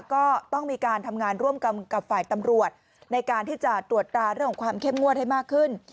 ก็ต้องมีการทำงานร่วมกันกับฝ่ายตำรวจในการที่จะตรวจตราเรื่องของความเข้มงวดให้มากขึ้น